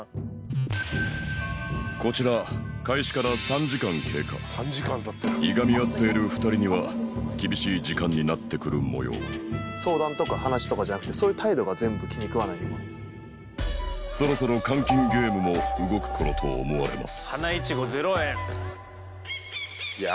こちら開始から３時間経過いがみあっている２人には厳しい時間になってくるもよう相談とか話とかじゃなくてそういう態度が全部気にくわないの今そろそろ換金ゲームも動くころと思われます